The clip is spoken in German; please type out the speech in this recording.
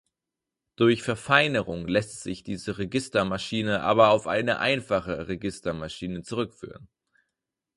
Durch Verfeinerung lässt sich diese Registermaschine aber auf eine einfache Registermaschine zurückführen.